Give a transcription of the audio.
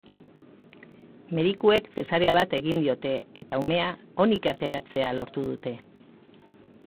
Medikuek zesarea bat egin diote eta umea onik ateratzea lortu dute.